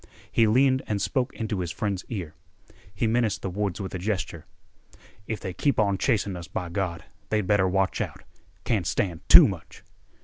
He leaned and spoke into his friend's ear. He menaced the woods with a gesture. "If they keep on chasing us, by Gawd, they'd better watch out. Can't stand too much."